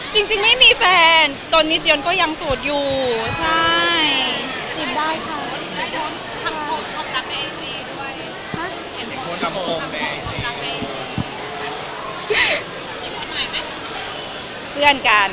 จริงไม่มีแฟนตัวจิกยันก็ยังสูดอยู่ใช่